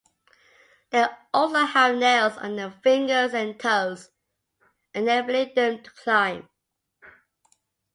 They also have nails on their fingers and toes, enabling them to climb.